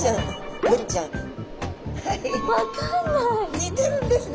似てるんですね。